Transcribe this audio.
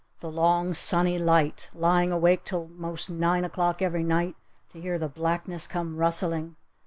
The long, sunny light! Lying awake till 'most nine o'clock every night to hear the blackness come rustling!